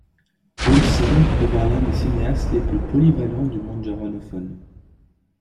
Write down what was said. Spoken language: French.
Olsen devient l'un des cinéastes les plus polyvalents du monde germanophone.